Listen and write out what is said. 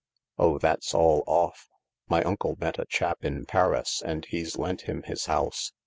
" Oh, that's all off. My uncle met a chap in Paris, and he's lent him his house.